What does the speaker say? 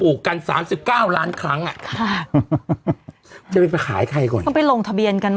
อืมอืมอืมอืมอืมอืม